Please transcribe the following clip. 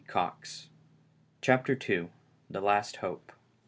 o : CHAPTER II THE LAST HOPE.